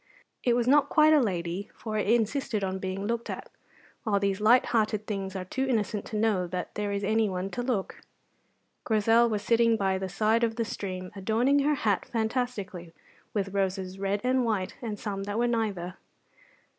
It was not quite a lady, for it insisted on being looked at; while these light hearted things are too innocent to know that there is anyone to look. Grizel was sitting by the side of the stream, adorning her hat fantastically with roses red and white and some that were neither.